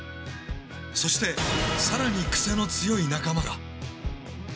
そして更にクセの強い仲間が！